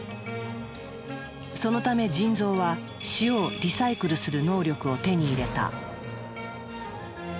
そのため腎臓は塩を「リサイクル」する能力を手に入れた。